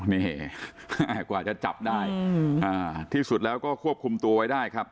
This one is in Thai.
แข็งแรกกว่าจะจับได้อืมอ่าที่สุดแล้วก็ควบคุมตัวไว้ได้ครับ